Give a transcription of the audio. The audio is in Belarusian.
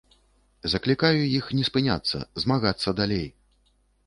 Заклікаю іх не спыняцца, змагацца далей!